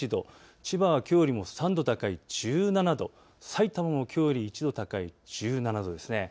千葉はきょうより３度高い１７度、さいたまもきょうより１度高い１７度です。